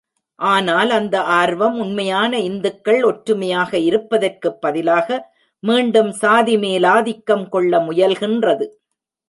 ஆனால், அந்த ஆர்வம் உண்மையான இந்துக்கள் ஒற்றுமையாக இருப்பதற்கு பதிலாக மீண்டும் சாதி மேலாதிக்கம் கொள்ள முயல்கின்றது.